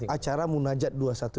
acara munajat dua ratus dua belas